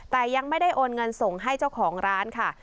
แต่ยังไม่ได้โอนเงินส่งให้เจ้าของร้านค่ะ